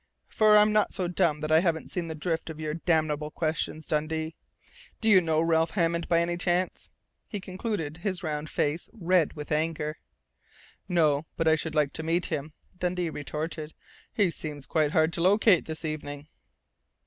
For I'm not so dumb that I haven't seen the drift of your damnable questions, Dundee!... Do you know Ralph Hammond, by any chance?" he concluded, his round face red with anger. "No but I should like to meet him," Dundee retorted. "He seems quite hard to locate this evening."